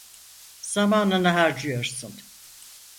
Zamanını harcıyorsun.